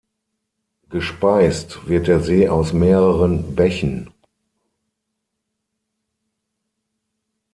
Gespeist wird der See aus mehreren Bächen.